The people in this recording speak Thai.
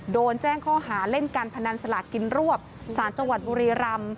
โดนแจ้งข้อหาเล่นการพนันสลากินรวบสารจังหวัดบุรีรำ